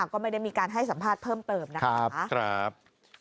ก็ไม่ได้มีการให้สัมภาษณ์เพิ่มเติมนะคะ